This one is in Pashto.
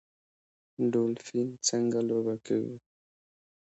ډولفین څنګه لوبه کوي؟